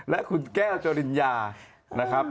และคุณแก้วจริญญานะครับ